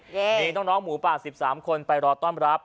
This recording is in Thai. มีน้องหมูป่า๑๓คนไปรอต้อนรับ